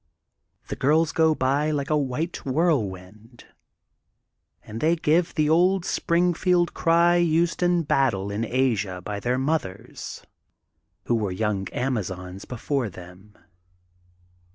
The girls go by like a white yhirlwind* and they give the old Springfield cry used in battle in Asia by their mothers who THE GOLDEN BOOK OF SPRINGFIELD 259 were young amazons before them.